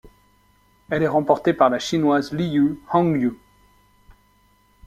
Elle est remportée par la Chinoise Liu Hongyu.